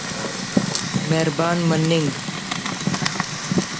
مہربان مننگ